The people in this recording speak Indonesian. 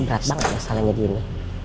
berat banget masalahnya gini